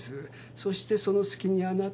そしてその隙にあなたは。